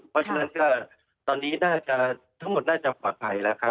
เพราะฉะนั้นก็ตอนนี้น่าจะทั้งหมดน่าจะปลอดภัยแล้วครับ